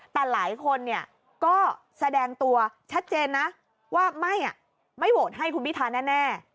แต่หลายคนเนี่ยก็แสดงตัวชัดเจนนะว่าไม่โหวตให้คุณพิธาแน่